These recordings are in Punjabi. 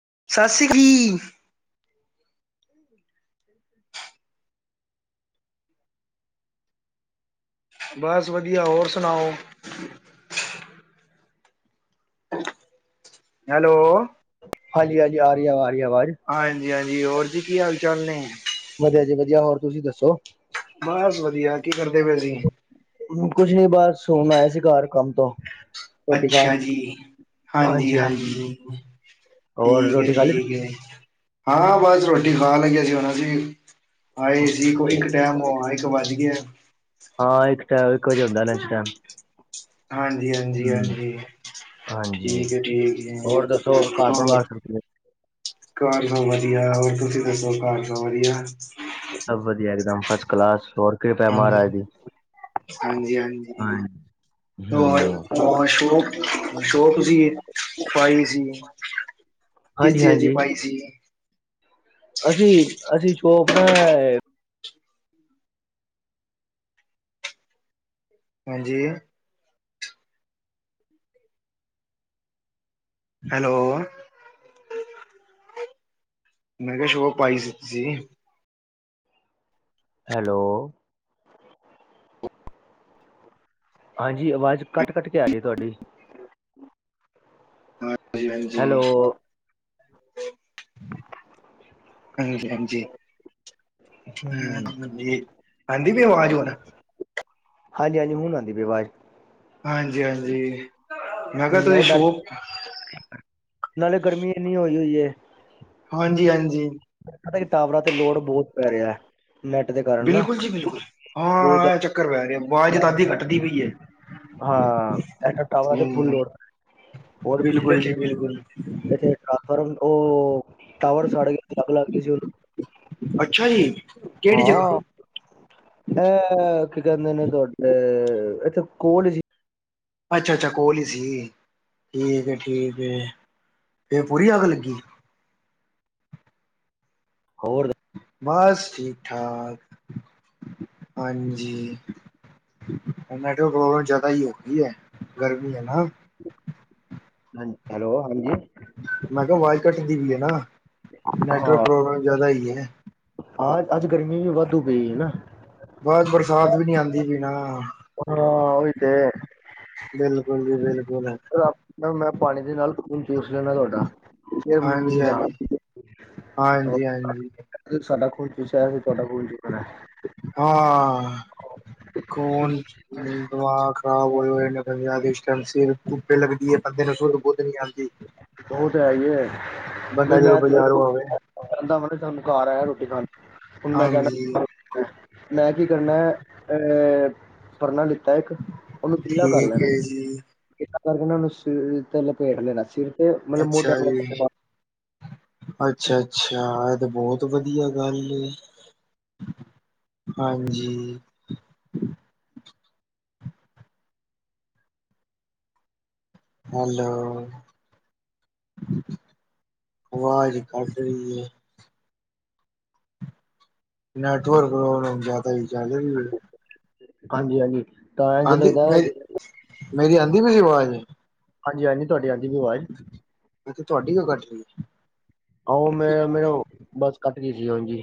[unintelligible] ਬੱਸ ਵਧੀਆ ਹੋਰ ਸੁਣਾਓ। ਹੈਲੋ ਹਾਂਜੀ-ਹਾਂਜੀ ਆ ਰਹੀ ਹੈ ਆਵਾਜ਼। ਹਾਂਜੀ-ਹਾਂਜੀ ਹੋਰ ਜੀ ਕੀ ਹਾਲ ਚਾਲ ਨੇ? ਵਧੀਆ ਜੀ ਵਧੀਆ, ਹੋਰ ਤੁਸੀਂ ਦੱਸੋ? ਬਸ ਵਧੀਆ, ਕੀ ਕਰਦੇ ਪਏ ਸੀ? ਹੋਣ ਆਇਆ ਸੀ ਘਰ ਕੰਮ ਤੋਂ। ਰੋਟੀ ਖਾਣ ਅੱਛਾ ਜੀ, ਹਾਂਜੀ ਹਾਂਜੀ ਹਾਂਜੀ-ਹਾਂਜੀ। ਹੋਰ ਠੀਕ ਹੈ ਰੋਟੀ ਖਾ ਲਈ ਠੀਕ ਹੈ। ਹਾਂ ਬੱਸ ਰੋਟੀ ਖਾਨ ਲੱਗੇ ਸੀ ਹੁਣ ਅਸੀਂ। ਹਾਏ [inaudible] ਇੱਕ ਟਾਈਮ ਹੋ, ਇੱਕ ਵੱਜ ਗਿਆ। ਹਾਂ ਇੱਕ [unintelligible] ਇੱਕ ਵਜੇ ਹੁੰਦਾ ਲੰਚ ਟਾਈਮ। ਹਮ ਹਾਂਜੀ-ਹਾਂਜੀ-ਹਾਂਜੀ ਹਾਂਜੀ ਠੀਕ ਹੈ ਠੀਕ ਹੋਰ ਦੱਸੋ ਹੈ। ਘਰ ਹੋਰ? ਪਰਿਵਾਰ ਸਭ ਕਿਵੇਂ ਘਰ ਸਭ ਵਧੀਆ। ਹੋਰ ਤੁਸੀਂ ਦੱਸੋ ਘਰ ਸਭ ਵਧੀਆ? ਸਭ ਵਧੀਆ ਇੱਕ ਦਮ ਫਸਟ ਕਲਾਸ ਹੋਰ ਕਿਰਪਾ ਮਹਾਰਾਜ ਦੀ। ਹਾਂਜੀ-ਹਾਂਜੀ [unintelligible] ਹਮ ਸ਼ੋ ਸ਼ੋ ਤੁਸੀਂ ਪਾਈ ਸੀ। ਕਿਸ ਹਾਂਜੀ ਚੀਜ਼ ਦੀ ਪਾਯੀ ਸੀ? ਅਸੀਂ-ਅਸੀਂ ਜੋੋ ਆਪਣਾ ਹਾਂਜੀ ਹੈਲੋ ਮੈਂ ਕਿਹਾ ਜੋ ਉਹ ਪਾਈ ਸੀ ਤੁਸੀਂ। ਹੈਲਓ। ਹਾਂਜੀ ਆਵਾਜ਼ ਕੱਟ, ਕੱਟ ਕੇ ਆ ਰਹੀ ਹੈ ਤੁਹਾਡੀ। ਹਾਂਜੀ, ਹਾਂਜੀ। ਹੈਲੋ ਹਾਂਜੀ, ਹਾਂਜੀ। ਹਮ ਆਦੀ ਪਈ ਆਵਾਜ਼ ਹੁਣ? ਹਾਂਜੀ, ਹਾਂਜੀ ਹੁਣ ਆਉਂਦੀ ਪਈ ਅਵਾਜ਼। ਹਾਂਜੀ, ਹਾਂਜੀ ਮੈਂ ਕਿਹਾ ਤੁਸੀ ਉਹ ਨੈਟ ਸ਼ੋਪ ਨਾਲੇ ਗਰਮੀ ਇੰਨੀ ਹੋਈ ਹੋਈ ਐ। ਹਾਂਜੀ, ਹਾਂਜੀ। ਮਦਾ ਕਿ ਟਾਵਰਾਂ ਤੇ ਲੋੜ ਬੋਤ ਪੈ ਰਿਆ। ਨੈਟ ਦੇ ਕਾਰਨ ਨਾ ਬਿਲਕੁਲ ਜੀ ਬਿਲਕੁਲ ਹਾਂ ਬਹੁਤਦਾ ਇਹ ਚੱਕਰ ਪੈ ਰਿਹਾ ਆਵਾਜ਼ ਤਾਂ ਅੱਧੀ ਕੱਟਦੀ ਪਈ ਹੈ ਹਾਂ ਟਵਰਾ ਤੇ ਫੁੱਲ ਹਮ ਲੋੜ ਹੋਰ ਪਿਛਲੇ ਬਿਲਕੁਲ ਜੀ ਬਿਲਕੁਲ ਪਰ ਓਹ ਟਾਵਰ ਸਾੜ ਗਿਆ ਅੱਗ ਲੱਗ ਗਈ ਸੀ ਉਹਨੂੰ। ਅੱਛਾ ਜੀ ਕਿਹੜੀ ਜਗ੍ਹਾ ਹਾਂ ਇਹ ਕੀ ਕਹਿੰਦੇ ਨੇ ਤੁਹਾਡੇ? ਇੱਥੇ ਕੋਲ ਈ ਸੀ। ਅੱਛਾ, ਅੱਛਾ ਕੋਲ ਹੀ ਸੀ ਠੀਕ ਏ, ਠੀਕ ਏ। ਫੇਰ ਪੂਰੀ ਅੱਗ ਲੱਗੀ। ਹੋਰ? ਬਸ ਠੀਕ ਠਾਕ। ਹਾਂਜੀ ਨੈਟਵਰਕ ਪ੍ਰੋਬਲਮ ਜ਼ਿਆਦਾ ਹੀ ਹੋ ਗਈ ਐ ਗਰਮੀ ਹੈ ਨਾ। ਹਾਂ, ਹੈਲੋ ਹਾਂਜੀ। ਮੈਂ ਕਿਹਾ ਆਵਾਜ਼ ਕਟਦੀ ਵੀ ਹੈ ਨਾ ਨੈਟਵਰਕ ਪ੍ਰੋਬਲਮ ਜਿਆਦਾ ਹੀ ਹੈ। ਆਹ ਅੱਜ ਗਰਮੀ ਵੀ ਵਾਧੂ ਪਈ ਏ ਨਾ। ਸਵਾਦ ਵੀ ਨਈ ਆਉਂਦੀ ਵੀ ਨਾਂ। ਹਾਂ ਈ ਤੇ ਹੈ। ਬਿਲਕੁਲ ਜੀ ਬਿਲਕੁਲ ਮੈਂ ਪਾਣੀ ਦੇ ਨਾਲ ਖੂਨ ਚੂਸ ਲੈਣਾ ਤੁਹਾਡਾ। ਫੇਰ ਹਾਂਜੀ ਮੀਂਹ ਦਾ ਹਾਂਜੀ ਹਾਂਜੀ ਹਾਂਜੀ ਸਡਾ ਖੂਨ ਚੁਸਿਆ ਹੁਣ ਅਸੀਂ ਤੁਆਡਾ ਖੂਨ ਚੂਸਨਾ। ਹਾਂਅ! ਕੌਣ ਦਿਮਗ ਖਰਾਬ? [inaudible] ਧੁੱਪ ਲੱਗਦੀ ਹੈ ਬੰਦੇ ਨੂੰ ਸੁੱਧ ਬੁੱਧ ਨੀ ਆਦੀ। ਉਹ ਤੇ ਹੈ ਹੀ ਹੈ ਬਈ ਜਦੋਂ ਮੈਂ ਬਾਜ਼ਾਰੋਂ ਆਵੇ ਕਹਿੰਦਾ ਮ ਸਾਨੂੰ ਘਰ ਆਇਆ ਰੋਟੀ ਖਾਣ। ਹੁਣ ਮੈਂ ਹਾਂਜੀ। ਜਾਣਾ ਮੈਂ ਕੀ ਕਰਨਾ ਅਹ ਪੜ੍ਹਨਾ ਲਿਖ ਇੱਕ ਉਹਨੂੰ ਗਿੱਲਾ ਕਰ ਠੀਕ ਲੈਣਾ ਹੈ ਜੀ ਗਿੱਲਾ ਕਰਕੇ ਉਹਨੂੰ ਸਿਰ ਤੇ ਲਪੇਟ ਲੈਣਾ ਸਿਰ ਤੇ ਮਤਲਬ ਮੋਟਿਆਂ ਮੋੇ ਅੱਛਾ, ਅੱਛਾ ਇਹ ਤਾਂ ਬਹੁਤ ਵਧੀਆ ਗੱਲ ਏ। ਹਾਂਜੀ। ਹੈਲਓ ਆਵਾਜ਼ ਕਟ ਰਹੀ ਐ। ਨੈਟਵਰਕ ਪ੍ਰੋਬਲਮ ਜ਼ਿਆਦਾ ਹੀ ਚੱਲ ਰਈ ਏ। ਹਾਂਜੀ, ਹਾਂਜੀ ਤਾਂ ਇਝ ਆਂਦੀ ਲੱਗਦਾ ਮੇਰੀ ਮੇਰੀ ਆਂਦੀ ਪਈ ਸੀ ਆਵਾਜ਼? ਹਾਂਜੀ, ਹਾਂਜੀ ਤੁਹਾਡੀ ਹਾਂਦੀ ਪਈ ਆਵਾਜ਼! ਮੈਂ ਤੇ ਤੁਹਾਡੀ ਗਲ ਕੱਢ ਰਹੀ ਹ ਆਹੋ ਮੇ ਮੇਨ ਬੱਸ ਕੱਟ ਗਈ ਸੀ ।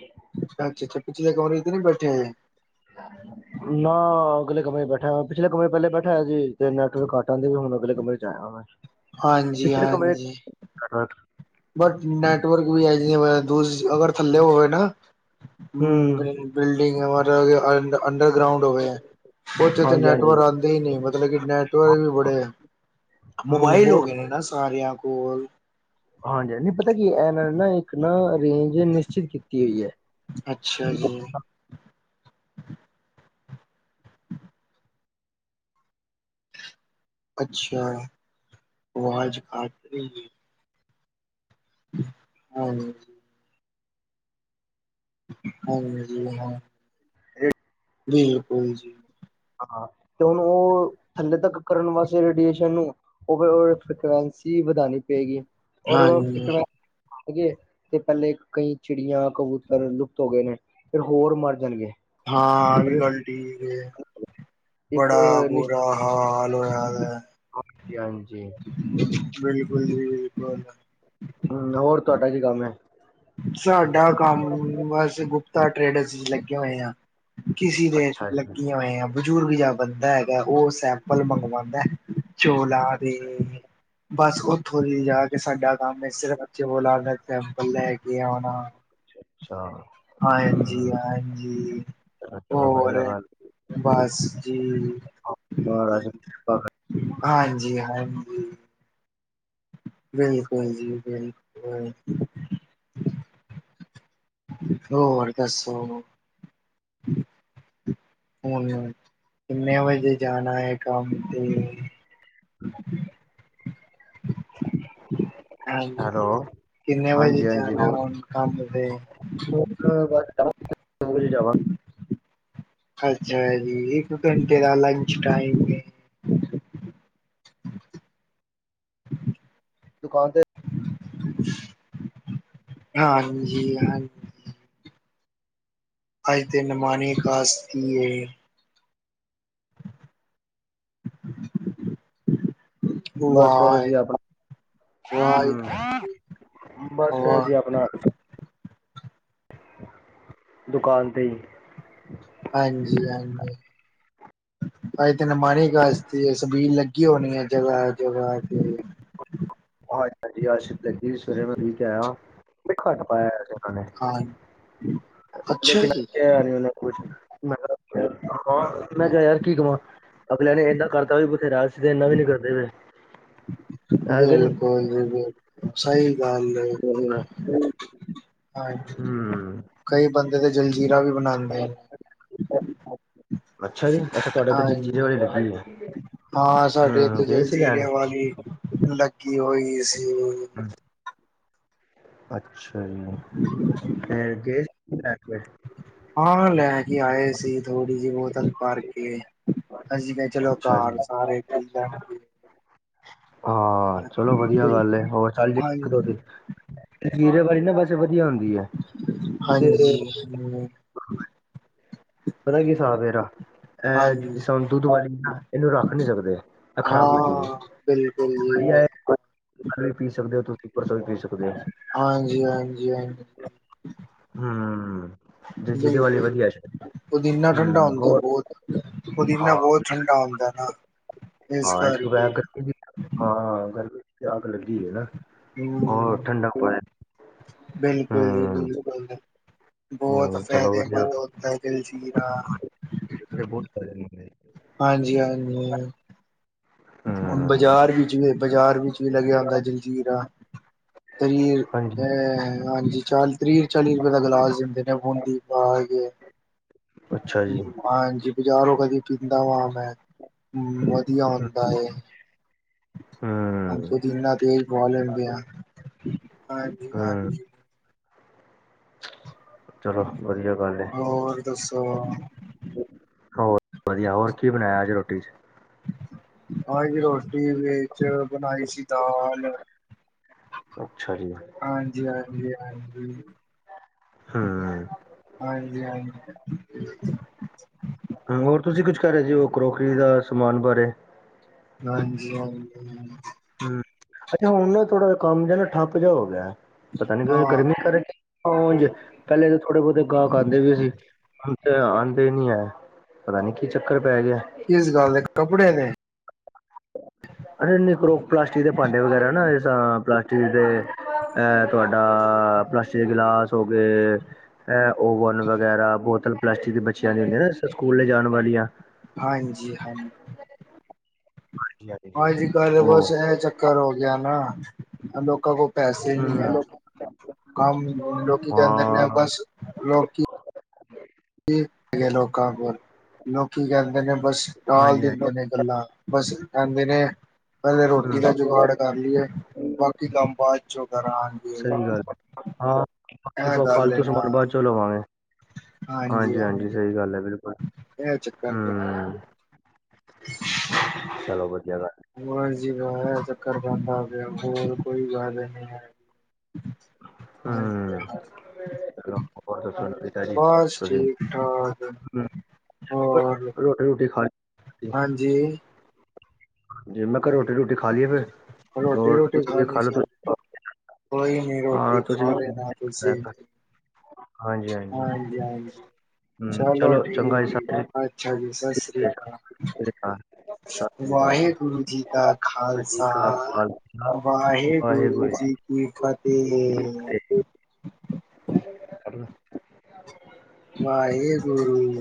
ਕਿ ਬੈਠੇ ਆ ਨਾ ਅਗਲੇ ਕਮਰੇ ਚ ਬੈਠਿਆ ਪਿਛਲੇ ਕਮਰੇ ਪਹਿਲੇ ਬੈਠਾ ਹੋਇਆ ਜੀ ਤੇ ਨੈਟਵਰਕ ਘਟ ਆਦੇ ਵੀ ਹੁਣ ਅਗਲੇ ਕਮਰੇ ਚ ਆਇਆ। ਪਿਛਲੇ ਕਮਰੇ ਹਾਂਜੀ-ਹਾਂਜੀ ਬਟ ਨੈਟਵਰਕ ਵੀ ਆ ਜਿ ਦੂਜ ਅਗਰ ਥੱਲੇ ਹੋਵੇ ਨਾ। ਹੂੰ ਬਿਲਡਿੰਗਮ ਅੰਡਰਗਰਾਊਂਡ ਹੋਵੇ। ਉੱਥੇ ਤਾਂ ਹਾਂਜੀ ਹਾਂਜੀ ਨੈੱਟਵਰਕ ਆਦੇ ਈ ਨਈ ਮਤਲਬ ਕਿ ਨੈਟਵਰਕ ਵੀ ਬੜੇ ਐ। ਹੂੰ ਮੋਬਾਈਲ ਬਹੁਤ ਹੋ ਗਏ ਨੇ ਨਾ ਸਾਰਿਆ ਕੋਲ। ਹਾਂਜੀ ਹ ਪਤਾ ਕੀ ਇਹਨਾਂ ਨਾ ਇੱਕ ਨਾ ਰੇਂਜ ਨਿਸ਼ਚਿਤ ਕੀਤੀ ਹੋਈ ਐ। ਅੱਛਾ ਜੀ। ਅੱਛਾ ਆਵਾਜ਼ ਕੱਟ ਰਈ ਏ। ਹਾਂਜੀ। ਹਾਂਜੀ ਹਾਂ। ਇਹ ਬਿਲਕੂਲ ਜੀ। ਹਾਂ ਤੇ ਹੁਣ ਉਹ ਥੱਲੇ ਤੱਕ ਕਰਨ ਵਾਸਤੇ ਰੇਡੀਏਸ਼ਨ ਨੂੰ ਓਵਓ ਫਕੁਸੀ ਵਧਾਨੀ ਪਏਗੀ ਔਰ ਹਾਂਜੀ। ਫੇਰ ਹੈਗੇ ਤੇ ਪਹਿਲੇ ਕਈ ਚਿੜੀਆਂ ਕਬੂਤਰ ਲੁਪਤ ਹੋ ਗਏ ਨੇ। ਫਿਰ ਹੋਰ ਮਰ ਜਾਣਗੇ। ਹਾਂ ਆ ਵੀ ਪਰ ਗੱਲ ਠੀਕ ਏ। ਇੱਕ ਬੜਾ ਬੁਰਾ ਨਿਸ਼ਚਿਤ ਹਾਲ ਚਲੋ ਯਾਦ ਆ। ਹਾਂਜੀ ਬਿਲਕੁਲ ਜੀ ਬਿਲਕੁਲ। ਹੂੰ ਹੋਰ ਤੁਹਾਡਾ ਕੀ ਕੰਮ ਐ? ਸਾਡਾ ਕੰਮ ਅਸੀ ਗੁਪਤਾ ਟ੍ਰੇਡਸ ਵਿੱਚ ਲੱਗੇ ਹੋਏ ਆ। ਕਿਸੀ ਦੇ ਅੱਛਾ ਜੀ ਲੱਗੀਆਂ ਹੋਏ ਬਜ਼ੁਰਗ ਜਾ ਬੰਦਾ ਹੈਗਾ ਉਹ ਸੈਂਪਲ ਮੰਗਵਾਉਂਦਾ ਚੋਲਾ ਦੇ। ਬਸ ਉੱਥੋਂ ਦੀ ਜਾ ਕੇ ਸਾਡਾ ਕੰਮ ਸਿਰਫ ਚੋਲਾ ਦਾ ਕੰਮ ਲੈ ਕੇ ਆਉਣਾ। ਤਾਂ ਹਾਂਜੀ, ਹਾਂਜੀ। ਚਲੋ ਚਲੋ ਹੋਰ ਵਧੀਆ ਗੱਲ ਬਸ ਜੀ। ਰਾਜ ਹਾਂਜੀ, ਹਾਂਜੀ। ਬਿਲਕੁਲ ਜੀ ਬਿਲਕੁਲ। ਹੋਰ ਦੱਸੋ? ਹੁਨ ਕਿੰਨੇ ਵਜੇ ਜਾਣਾ ਏ ਕੰਮ ਤੇ? [unintelligible] ਹੈਲੋ ਹਾਂਜੀ। ਕਿੰਨੇ ਵਜੇ ਹਾਂਜੀ ਹਾਂਜੀ ਜਾਣਾ ਹੋਰ ਹੁਨ ਕੰਮ ਤੇ? ਦੋ ਵਜੇ ਜਾਵਾਗੇ। ਅੱਛਾ ਜੀ ਇੱਕ ਘੰਟੇ ਦਾ ਲੰਚ ਟਾਈਮ ਦੁਕਾਨ ਤੇ [unintelligible] ਹਾਂਜੀ, ਹਾਂਜੀ। ਅੱਜ ਤਾ ਨਿਮਾਣੀ [inaudible] ਬਸ ਫਿਰ ਵਾਹ ਅਸੀਂ ਆਪਣਾ ਵਾਹ ਬਸ ਫਿਰ ਵਾਹ ਜੀ ਆਪਣਾ ਦੁਕਾਨ ਤੇ ਈ ਹਾਂਜੀ, ਹਾਂਜੀ [inaudible] ਕੀ ਹੋਣੀ ਹੈ ਜਗ੍ਹਾ ਜਗਾ ਤੇ? [inaudible] ਹਾਂ ਲੇਕਿਨ ਅ ਉਹਨਾਂ ਕੁਛ ਮੈਂ ਹ ਮੈਂ ਕਿਹਾ ਯਾਰ ਕੀ ਕਵਾਂ? ਅਗਲਿਆਂ ਨੇ ਇਨਾ ਕਰਦਾ ਵੀ ਬਥੇਰਾ ਸੀ। ਤੇ, ਇਨਾ ਵੀ ਨੀ ਕਰਦੇ ਪਏ। ਹੈ ਕਿ ਨਹੀਂ ਬਿਲਕੁਲ ਜੀ, ਬਿਲਕੁਲ ਸਹੀ ਗੱਲ [unintelligible] ਹੂੰ ਕਿਤੇ ਜਲਜੀਰਾ ਵੀ ਬਣਾਉਂਦੇ ਨੇ। ਅੱਛਾ ਜੀ, ਮੈ ਤੁਹਾਡੇ ਲਈ ਜਲ ਹਾਂਜੀ। ਜੀਰੇ ਰੱਖਾਈ ਏ। ਹਾਂ, ਸਾਡੇ ਇਥੇ ਜਲ ਜੀਰਿਆ ਵਾਲੀ ਫੈਕਟਰੀ ਸੀ। [inaudible] [inaudible] ਅੱਛਾ ਜੀ, ਫੇਰ ਗਏ ਆ, ਲੈ ਕੇ ਆਏ ਸੀ, ਥੋੜੀ ਜਿਹੀ ਬੋਤਲ ਭਰ ਕੇ? ਅਸੀਂ ਕਿਹਾ, ਚਲੋ ਅੱਛਾ ਜੀ ਘਰ ਸਾਰੇ ਠੀਕ ਆ। ਹਾਂ, ਚਲੋ ਵਧੀਆ ਗੱਲ, ਹੋਰ ਚੱਲ ਜਾਏਗੀ ਇੱਕ ਦੋ ਹਾਂਜੀ ਦਿਨ, ਵੀਰੇ ਵਾਰੀ ਨਾ ਬਸ ਏ, ਵਧੀਆ ਹੁੰਦੀ ਆ ਤੇ? ਹਾਂਜੀ [inaudible] [unintelligible] ਪਤਾ ਕੀ, ਹਿਸਾਬ ਮੇਰਾ? ਐ ਹਾਂਜੀ। ਸੁੱਟ ਦੋ, ਰੱਖ ਨਈ ਸਕਦੇ, ਖਰਾਬ ਹੋਈ ਹਾਂ ਬਿਲਕੁਲ ਪਈ ਏ? [inaudible] [inaudible] ਕੱਲ, ਵੀ ਪੀ ਸਕਦੇ ਤੁਸੀਂ, ਪਰਸੋਂ ਵੀ ਪੀ ਸਕਦੇ ਹੋ। ਹਾਂਜੀ ਹਾਂਜੀ ਹਾਂਜੀ ਹੂ, ਜਲ ਜੀਰੇੇ ਵਾਲੀ, ਬਿਲਕੁਲ ਵਧੀਆ ਜੇ ਪੁਦੀਨਾ, ਠੰਡਾ ਹੁੰਦਾ ਬਹੁਤ, ਪੁਦੀਨਾ ਹਾਂ ਬਹੁਤ ਠੰਡਾ ਹੁੰਦਾ। ਨਾ ਇਸ ਹਾਂ ਇੱਕ, ਕਰਕੇ ਦੁਪਹਿਰ ਗਰਮੀ ਵੀ ਹੈ, ਹਾਂ ਹਾਂ ਗਰਮੀ ਏ, ਅੱਗ ਲੱਗੀ ਹੈ ਨਾ, ਹਮ ਹੋਰ ਠੰਡੱਕ ਪਏ। ਬਿਲਕੁਲ ਜੀ, ਹਮ ਬਿਲਕੁਲ ਬਹੁਤ ਹਮ ਚਲੋ ਫਾਇਦੇ ਵਧੀਆ ਮੰਦ, ਹੁੰਦਾ ਹੈ। [inaudible] [inaudible] [inaudible] [inaudible] ਹਾਂਜੀ ਹਾਂਜੀ? ਹੁਣ, ਹਮ ਬਾਜ਼ਾਰ ਵਿੱਚ ਵੀ, ਬਾਜ਼ਾਰ ਵਿੱਚ ਵੀ, ਲੱਗਿਆ ਹੁੰਦਾ ਜਲਜੀਰਾ। [unintelligible] ਹਾਂਜੀ ਹਾਂਜੀ, ਚਾਲੀ ਰੁਪਏ ਦਾ ਗਲਾਸ ਦਿੰਦੇ ਨੇ, ਬੂੰਦੀ ਪਾ ਕੈ। ਅੱਛਾ ਜੀ ਹਾਂਜੀ, ਬਾਜ਼ਾਰੋਂ ਕਦੀ ਪੀਂਦਾ ਵਾ ਮੈਂ। ਪੁਦੀਨਾ, ਅਸੀਂ ਵਿਚ ਹਮ ਪੁਦੀਨਾ ਤੇਜ ਪੁਵਾ ਲੈਣੇ ਆਂ? ਹਾਂਜੀ ਹਮ ਹਾਂਜੀ ਚਲੋ ਵਧੀਆ, ਗੱਲ ਏ। ਹੋਰ ਦੱਸੋ ਹੋਰ ਵਧੀਆ, ਹੋਰ ਕੀ ਬਣਾਇਆ ਅੱਜ ਰੋਟੀ ਚ? ਹਾਂ ਜੀ, ਰੋਟੀ ਵਿੱਚ ਬਣਾਈ ਸੀ ਦਾਲ? ਹਹ [inaudible] ਹਾਂਜੀ ਹਾਂਜੀ ਹਾਂਜੀ, ਹੂੰ ਹਾਂਜੀ ਹਾਂਜੀ। ਹਾ, ਹੋਰ ਤੁਸੀਂ ਕੁਝ ਕਰ ਰਹੇ ਸੀ, ਹੋ ਕਰੋਕਰੀ ਦਾ ਸਮਾਨ ਬਾਰੇ। ਹਾਂਜੀ ਹਾਂਜੀ। ਅੱਛਾ, ਹੁਣ ਨਾ ਥੋੜਾ ਜਿਹਾ, ਕੰਮ ਨਾ ਠੱਪ ਜਿਹਾ ਹੋ ਗਿਆ। ਪਤਾ ਨਈ, ਕੁੱਛ ਹਾਂ ਗਰਮੀ ਕਰਕੇ, ਪਹਿਲੇ ਤਾਂ ਥੋੜੇ ਬਹੁਤੇ ਗਾਹਕ ਆਂਦੇ ਵੀ ਸੀ। ਆਉਂਦੇ ਨਈ ਹੈ, ਪਤਾ ਨੀ ਕੀ ਚੱਕਰ? ਪੈ ਗਿਆ ਕਿਸ, ਗੱਲ ਦੇ ਕੱਪੜੇ ਦੇ? ਅਰੇ ਏਨੇ ਪਲਾਸਟਿਕ ਦੇ ਭਾਂਡੇ ਵਗੈਰਾ ਨਾ ਪ ਏ ਤੁਹਾਡਾ, ਪਲਾਸਟਿਕ ਦੇ ਗਿਲਾਸ ਹੋ ਗਏ ਓਵਨ ਵਗੈਰਾ, ਬੋਤਲ ਪਲਾਸਟਿਕ ਦੀ, ਬੱਚਿਆਂ ਦੀ ਹੁੰਦੀਆਂ ਨਾ ਸਕੂਲ ਜਾਣ ਵਾਲੀਆਂ ਹਾਂਜੀ--ਹਾਜ਼ੀ ਹਾਂਜੀ-ਹਾਂਜੀ। ਹਾਂਜੀ, ਕੱਲ ਉਹ ਬਸ ਇਹ ਚੱਕਰ ਹੋ ਗਿਆ ਨਾ, ਲੋਕਾਂ ਕੋਲ? ਪੈਸੇ, ਨਹੀਂ ਹੈ ਹੂੰ ਅੱਜ, ਕੰਮ ਦਿੰਦੇ, ਲੋਕੀ ਕੇ ਕਹਿਦੇ ਨੇ ਹਾਂ, ਬਸ ਲੋਕੀ ਕੀ ਲੋਕਾਂ ਕੋਲ, ਲੋਕੀ ਕਹਿੰਦੇ ਨੇ, ਬਸ ਟਾਲ ਹਾਂਜੀ-ਹਾਂਜੀ, ਦਿੰਦੇ ਨੇ ਗੱਲਾਂ ਬਸ ਕਹਿੰਦੇ ਨੇ, ਪਹਿਲੇ ਰੋਟੀ ਦਾ ਹੂੰ, ਜੁਗਾੜ ਕਰ ਲਈਏ, ਬਾਕੀ ਕੰਮ ਬਾਦ ਚੋ ਕਰਾਂਗੇ, ਸਹੀ ਗੱਲ ਐ, ਹਾਂ। ਬਾਕੀ ਇਹ ਆਪਾਂ ਗੱਲ ਫਾਲਤੂ ਨਾ? ਸਮਾਨ ਬਾਅਦ ਚੋਂ ਲਵਾਂਗੇ, ਹਾਂਜੀ ਹਾਂਜੀ। ਹਾਂਜੀ-ਹਾਂਜੀ ਸਹੀ ਗੱਲ ਐ ਬਿਲਕੁਲ, ਹੂੰ, [unintelligible] ਚਲੋ ਵਧੀਆ ਗੱਲ, ਮਰ ਜੀ ਬਆ ਚੱਕਰ ਬੰਦਾ ਆ ਗਿਆਿਆ ਹੋਰ ਕੋਈ ਵਾਅ ਨਹੀਂ ਹੈ [inaudible] [inaudible] ਹਾਂਜੀ ਹੂੰ, ਚਲੋ ਹਾਂਜੀ ਹੋਰ ਦੱਸੋ ਨਵੀਂ ਤਾਜੀ ਬਸ ਠੀਕ ਠਾਕ ਹੋਰ ਰੋਟੀ ਰੁਟੀ ਖਾ ਹਾਂਜੀ ਜੇ ਮੈਂ ਘਰ ਰੋਟੀ ਰੁਟੀ ਖਾ ਲਈਏ ਫੇਰ ਰੋਟੀ ਰੋਟੀ ਤੁਸੀਂ ਖਾਣੀ ਸੀ ਖਾਲੋ ਕੋਈ ਨੀ ਰੋਟੀ ਖਾ ਲੈਣਾ ਤੁਸੀੇ ਹਾਂਜੀ ਹਾਂਜੀ ਚਲੋ ਠੀਕ ਹੈ ਅੱਛਾ ਜੀ ਸਤਿ ਸ੍ਰੀ ਸ਼੍ਰੀ ਅਕਾਲ ਅਕਾਲ, ਸਤਿ ਸ਼੍ਰੀ ਅਕਾਲ ਵਾਹਿਗੁਰੂ ਜੀ ਕਾ ਖਾਲਸਾ ਵਾਹਿਗੁਰੂ ਜੀ ਕੀ ਜੀ ਕੀ ਫਤਿਹ [inaudible] ਵਾਹਿਗੁਰੂ